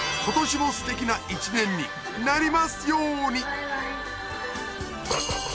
今年もすてきな１年になりますよに！